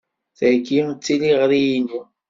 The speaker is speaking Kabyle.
Tagi d tiliɣri-inu.